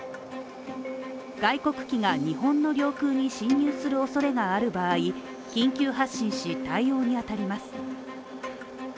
外国機が日本の領空に侵入するおそれがある場合、緊急発進し、対応にあたります。